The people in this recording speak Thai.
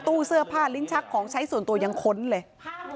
ตู้เสื้อผ้าลิ้นชักของใช้ส่วนตัวยังค้นเลย